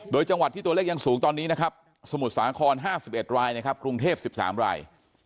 โดยจังหวัดที่ตัวเลขยังสูงตอนนี้นะครับสมุทรสาคร๕๑รายนะครับกรุงเทพ๑๓ราย